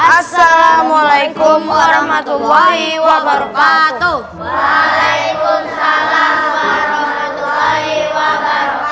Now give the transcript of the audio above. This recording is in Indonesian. assalamualaikum warahmatullahi wabarakatuh waalaikumsalam